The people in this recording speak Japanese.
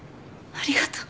ありがとう！